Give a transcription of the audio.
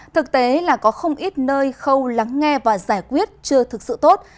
thực tế là có không ít nơi khâu lắng nghe và giải quyết chưa thực sự tốt